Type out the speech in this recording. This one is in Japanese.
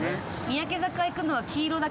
三宅坂行くのは黄色だけだ。